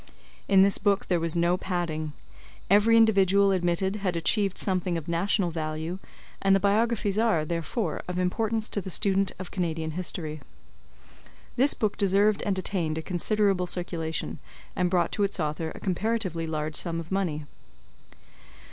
In this book there was no padding; every individual admitted had achieved something of national value, and the biographies are, therefore, of importance to the student of Canadian history. This book deserved and attained a considerable circulation, and brought to its author a comparatively large sum of money.